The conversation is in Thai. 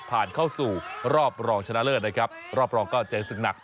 ผ่านเข้าสู่รอบรองชนะเลิศนะครับรอบรองก็เจอศึกหนัก